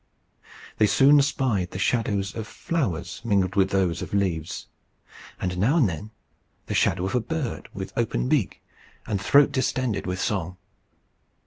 They soon spied the shadows of flowers mingled with those of the leaves, and now and then the shadow of a bird with open beak, and throat distended with song.